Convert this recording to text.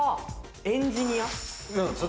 エンジニア？